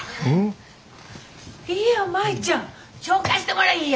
いいやん舞ちゃん。紹介してもらいや。